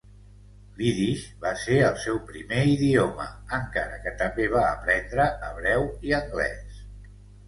L"ídix va ser el seu primer idioma, encara que també va aprendre hebreu i anglès.